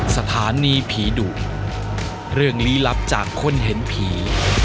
สถานีผีดุเรื่องลี้ลับจากคนเห็นผี